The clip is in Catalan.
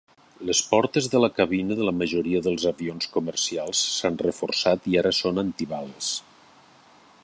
Les portes de la cabina de la majoria dels avions comercials s'han reforçat i ara són antibales.